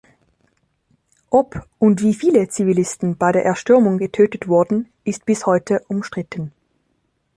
Ob und wie viele Zivilisten bei der Erstürmung getötet wurden ist bis heute umstritten.